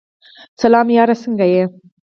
سلام یاره سنګه یی ؟